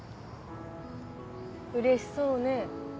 うれしそうね。